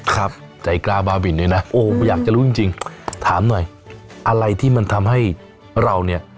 ครับใจกล้าบาบินด้วยนะโอ้อยากจะรู้จริงถามหน่อยอะไรที่มันทำให้เราเนี่ย